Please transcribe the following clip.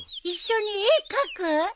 一緒に絵描く？